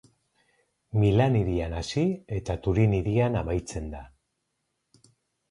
Milan hirian hasi eta Turin hirian amaitzen da.